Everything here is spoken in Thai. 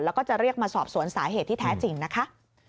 แล้วก็จะเรียกมาสอบสวนสาเหตุที่แท้จริงนะคะ